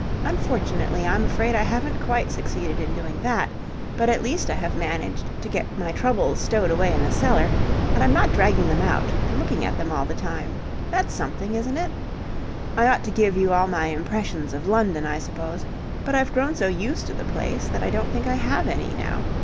Unfortunately, I'm afraid I haven't quite succeeded in doing that, but at least I have managed to get my troubles stowed away in the cellar, and I'm not dragging them out and looking at them all the time. That's something, isn't it? I ought to give you all my impressions of London, I suppose; but I've grown so used to the place that I don't think I have any now.